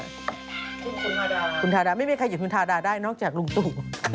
คุณธาดานะครับคุณธาดาไม่มีใครหยุดคุณธาดาได้นอกจากลุงตุ๋ว